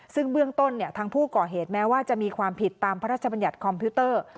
ซึ่งเบื้องต้นทางผู้ก่อเหตุแม้ว่าจะมีความผิดตามพระราชบัญญัติคอมพิวเตอร์